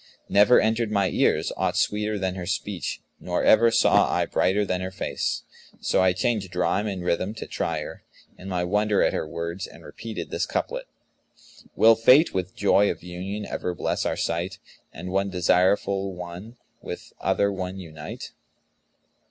Never entered my ears aught sweeter than her speech nor ever saw I brighter than her face: so I changed rhyme and rhythm to try her, in my wonder at her words, and repeated this couplet, 'Will Fate with joy of union ever bless our sight, * And one desireful one with other one unite.'